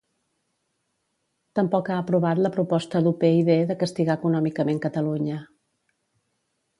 Tampoc ha aprovat la proposta d'UPyD de castigar econòmicament Catalunya.